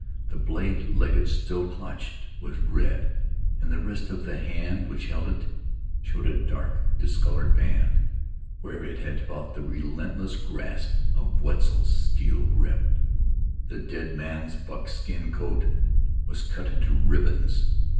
The blade Legget still clutched was red, and the wrist of the hand which held it showed a dark, discolored band, where it had felt the relentless grasp of Wetzel's steel grip. The dead man's buckskin coat was cut into ribbons.